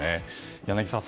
柳澤さん